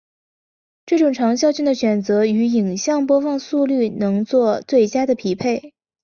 这种长效性的选择与影像播放速率能做最佳的匹配。